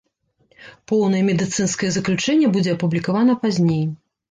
Поўнае медыцынскае заключэнне будзе апублікавана пазней.